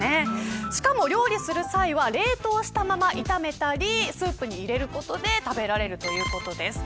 しかも、料理する際は冷凍したまま炒めたりスープに入れることで食べられるということです。